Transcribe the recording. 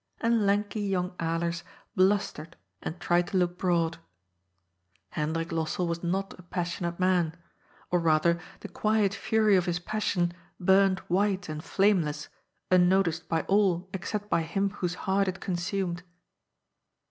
And lanky young Alers blustered and tried to look broad. Hendrik Lossell was not a passionate man. Or rather, the quiet fury of his passion burned white and jBameless, unnoticed by all except by him whose heart it consumed.